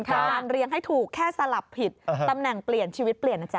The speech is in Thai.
การเรียงให้ถูกแค่สลับผิดตำแหน่งเปลี่ยนชีวิตเปลี่ยนนะจ๊